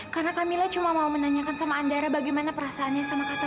karena kamilah cuma mau menanyakan sama andara bagaimana perasaannya sama kata